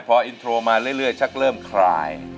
พออินโทรมาเรื่อยชักเริ่มคลาย